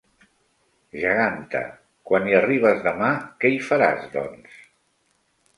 Geganta, quan hi arribes demà, què hi faràs, doncs?